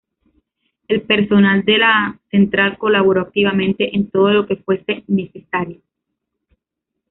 El personal de la Central colaboró activamente en todo lo que fuese necesario.